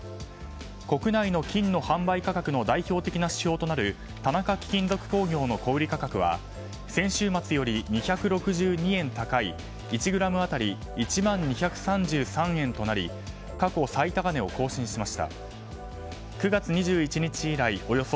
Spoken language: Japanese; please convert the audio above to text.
国内の金の販売価格の代表的な指標となる田中貴金属工業の小売価格は先週末より２６２円高い１ｇ当たり１万２３３円となり続いては社会部のニュースをお伝えします。